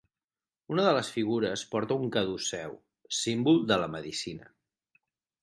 Una de les figures porta un caduceu, símbol de la medicina.